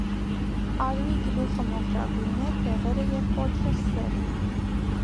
Արուի գլուխը մոխրագույն է, բեղերը և պոչը՝ սև։